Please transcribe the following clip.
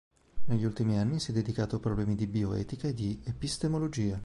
Negli ultimi anni si è dedicato a problemi di bioetica e di epistemologia.